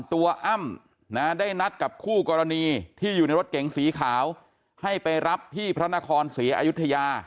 อ้ำได้นัดกับคู่กรณีที่อยู่ในรถเก๋งสีขาวให้ไปรับที่พระนครศรีอยุธยา